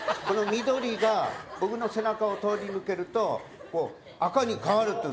この緑が僕の背中を通り抜けると赤に変わる。